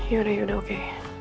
yaudah yaudah oke